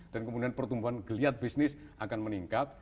dan kemudian pertumbuhan geliat bisnis akan meningkat